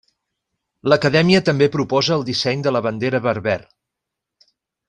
L'acadèmia també proposa el disseny de la bandera berber.